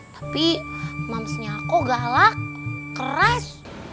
tapi momsnya aku galak keras